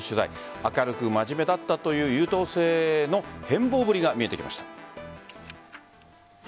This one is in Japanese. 明るく真面目だったという優等生の変貌ぶりが見えてきました。